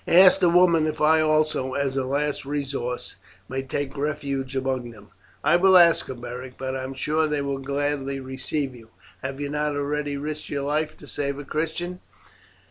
Ask the woman if I also, as a last resource, may take refuge among them." "I will ask her, Beric; but I am sure they will gladly receive you. Have you not already risked your life to save a Christian?"